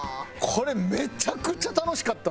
これめちゃくちゃ楽しかったんですよ！